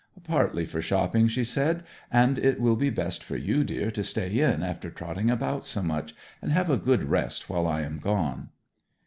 'Partly for shopping,' she said. 'And it will be best for you, dear, to stay in after trotting about so much, and have a good rest while I am gone.'